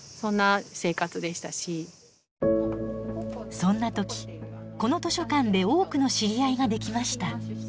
そんな時この図書館で多くの知り合いができました。